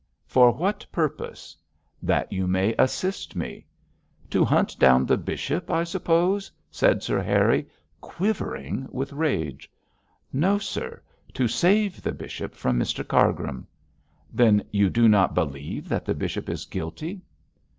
'For what purpose.' 'That you may assist me.' 'To hunt down the bishop, I suppose,' said Sir Harry, quivering with rage. 'No, sir, to save the bishop from Mr Cargrim.' 'Then you do not believe that the bishop is guilty.'